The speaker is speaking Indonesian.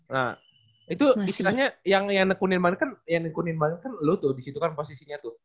nah itu istilahnya yang nekunir mana kan yang nekunir banget kan lu tuh disitu kan posisinya tuh